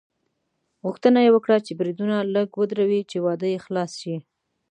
غوښتنه یې وکړه چې بریدونه لږ ودروي چې واده یې خلاص شي.